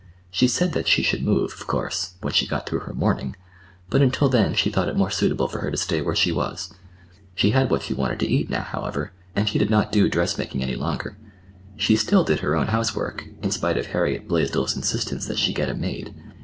She said that she should move, of course, when she got through her mourning, but, until then she thought it more suitable for her to stay where she was. She had what she wanted to eat, now, however, and she did not do dressmaking any longer. She still did her own housework, in spite of Harriet Blaisdell's insistence that she get a maid.